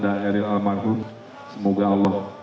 dan eril almarhum semoga allah